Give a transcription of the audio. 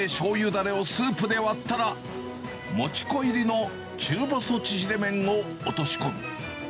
だれをスープで割ったら、もち粉入りの中細縮れ麺を落とし込む。